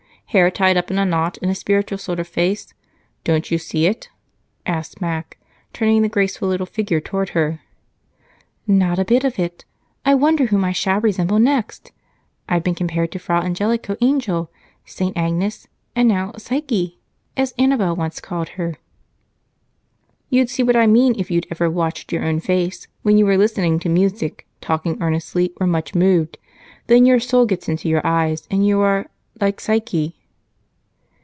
Hair tied up in a knot, and a spiritual sort of face. Don't you see it?" asked Mac, turning the graceful little figure toward her. "Not a bit of it. I wonder whom I shall resemble next! I've been compared to a Fra Angelico angel, Saint Agnes, and now 'Syke,' as Annabel once called her." "You'd see what I mean, if you'd ever watched your own face when you were listening to music, talking earnestly, or much moved, then your soul gets into your eyes and you are like Psyche."